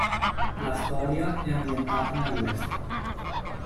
La storia è ambientata nel west.